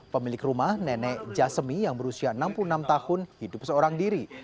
pemilik rumah nenek jasemi yang berusia enam puluh enam tahun hidup seorang diri